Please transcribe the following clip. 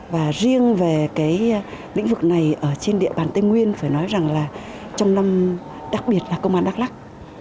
và riêng về cái lĩnh vực này ở trên địa bàn tây nguyên phải nói rằng là trong năm đặc biệt là công an đắk lắc